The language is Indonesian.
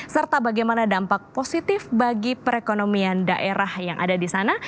serta bagaimana dampak positif bagi perekonomian daerah yang ada di sana